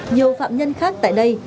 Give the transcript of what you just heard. nhiều phạm nhân khác tại đây